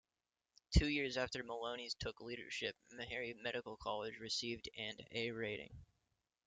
Two years after Mullowney's took leadership, Mehary Medical College received and 'A' rating.